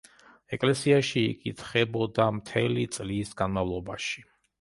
ეკლესიაში იკითხებოდა მთელი წლის განმავლობაში.